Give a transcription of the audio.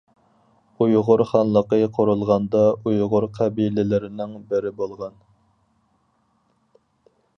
ئۇيغۇر خانلىقى قۇرۇلغاندا، ئۇيغۇر قەبىلىلىرىنىڭ بىرى بولغان.